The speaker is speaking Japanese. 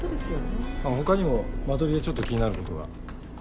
他にもマトリでちょっと気になることが。